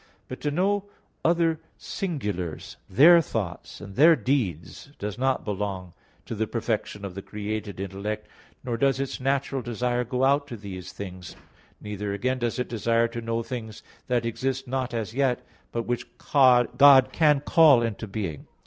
But to know other singulars, their thoughts and their deeds does not belong to the perfection of the created intellect nor does its natural desire go out to these things; neither, again, does it desire to know things that exist not as yet, but which God can call into being.